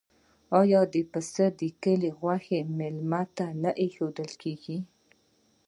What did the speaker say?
آیا د پسه د کلي غوښه میلمه ته نه ایښودل کیږي؟